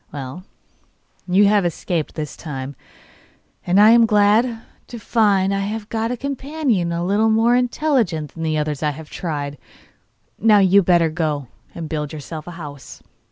'Well, you have escaped this time, and I am glad to find I have got a companion a little more intelligent than the others I have tried. Now, you had better go and build yourself a house.